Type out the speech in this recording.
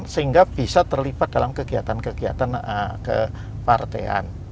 sehingga bisa terlibat dalam kegiatan kegiatan kepartean